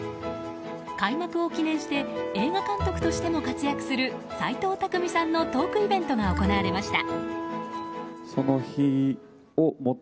開幕を記念して映画監督としても活躍する齊藤工さんのトークイベントが行われました。